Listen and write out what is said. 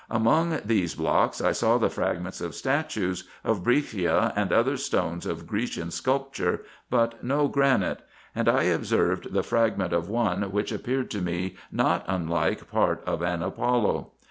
Among these blocks I saw the fragments of statues, of breccia and other stones of Grecian sculpture, but no granite ; and I observed the fragment of one winch appeared to me not unlike part of an Apollo.